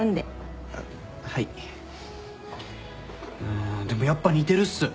んでもやっぱ似てるっす